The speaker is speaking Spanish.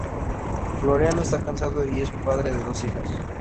Floriano está casado y es padre de dos hijas.